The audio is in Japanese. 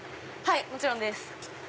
もちろんです。